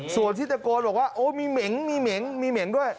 ส่วนที่ตะโกนบอกว่าโอ้ยมีเหม็งด้วย